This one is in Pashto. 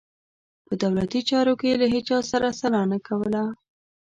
په دولتي چارو کې یې له هیچا سره سلا نه کوله.